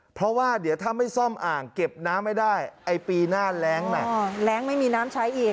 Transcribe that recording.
เพราะว่าเดี๋ยวถ้าไม่ซ่อมอ่างเก็บน้ำไม่ได้ไอ้ปีหน้าแรงน่ะแรงไม่มีน้ำใช้อีก